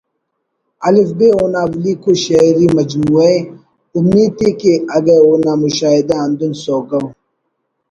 ”الف ب“ اونا الیکو شئیری مجموعہ ءِ اومیت ءِ کہ اگہ اونا مشاہدہ ہندن سوگو